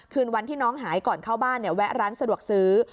คืนวันที่น้องหายก่อนเข้าบ้านแวะร้านสะดวกซื้อ